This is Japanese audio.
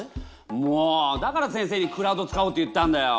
もうだから先生にクラウド使おうって言ったんだよ。